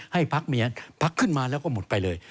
ให้พักเมียพักขึ้นมาแล้วก็หมดไปเลย